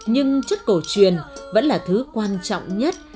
nhưng chất cổ truyền vẫn là thứ quan trọng nhất